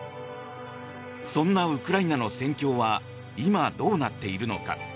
そんなウクライナの戦況は今、どうなっているのか。